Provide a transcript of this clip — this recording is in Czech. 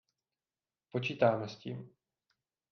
Počítáme s tím.